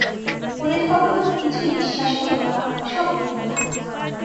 ওদের কথা তুমি কিছুই বিশ্বাস করিয়ো না–সব মিথ্যা।